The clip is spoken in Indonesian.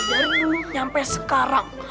dari dulu nyampe sekarang